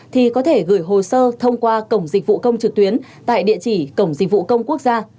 thì có thể gửi hồ sơ thông qua cổng dịch vụ công trực tuyến tại địa chỉ cổng dịch vụ công quốc gia